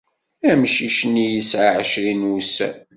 Amcic-nni yesɛa ɛecrin n wussan.